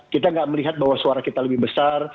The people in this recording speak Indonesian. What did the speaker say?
kita gak melihat bahwa suara kita lebih besar